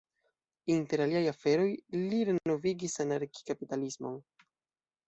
Inter aliaj aferoj, li renovigis anarki-kapitalismon.